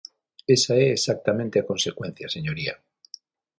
Esa é exactamente a consecuencia, señoría.